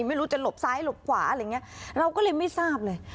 ไม่รู้จะหลบซ้ายหลบขวาอะไรอย่างเงี้ยเราก็เลยไม่ทราบเลย